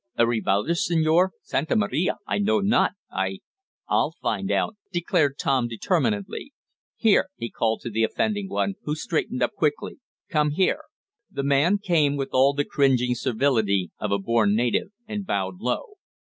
"A revolver, senor? Santa Maria, I know not! I " "I'll find out," declared Tom determinedly. "Here," he called to the offending one, who straightened up quickly. "Come here!" The man came, with all the cringing servility of a born native, and bowed low.